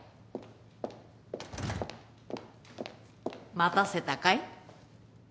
待たせたかい？